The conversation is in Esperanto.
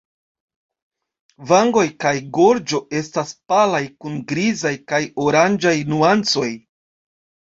Vangoj kaj gorĝo estas palaj kun grizaj kaj oranĝaj nuancoj.